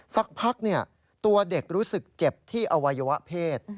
สักพักตัวเด็กรู้สึกเจ็บที่อวัยวะเพศ